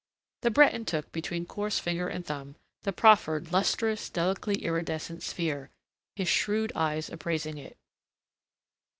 The Breton took between coarse finger and thumb the proffered lustrous, delicately iridescent sphere, his shrewd eyes appraising it.